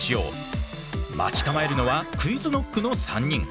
待ち構えるのはＱｕｉｚＫｎｏｃｋの３人。